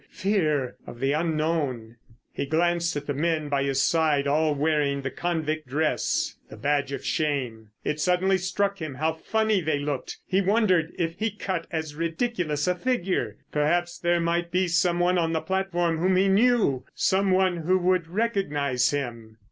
Fear of the unknown! He glanced at the men by his side all wearing the convict dress—the badge of shame. It suddenly struck him how funny they looked. He wondered if he cut as ridiculous a figure. Perhaps there might be some one on the platform whom he knew, some one who would recognise him.